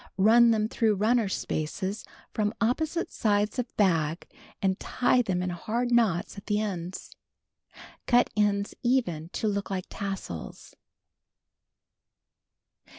Run them through runner spaces from opposite sides of bag and tie them in hard knots at the ends. Cut ends even to look like tassels.